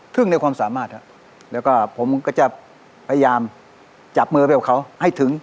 ในความสามารถแล้วก็ผมก็จะพยายามจับมือไปกับเขาให้ถึง